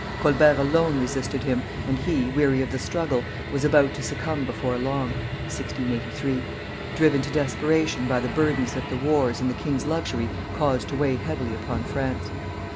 Colbert alone resisted him, and he, weary of the struggle, was about to succumb before long (1683), driven to desperation by the burdens that the wars and the king's luxury caused to weigh heavily upon France.